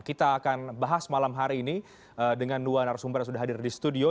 kita akan bahas malam hari ini dengan dua narasumber yang sudah hadir di studio